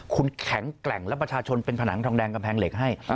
คุณแข็งแกร่งและประชาชนเป็นผนังทองแดงกำแพงเหล็กให้